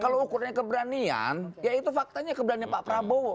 kalau ukurannya keberanian ya itu faktanya keberanian pak prabowo